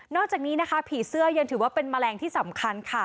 อกจากนี้นะคะผีเสื้อยังถือว่าเป็นแมลงที่สำคัญค่ะ